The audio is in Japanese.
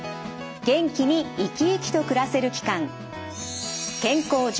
元気に生き生きと暮らせる期間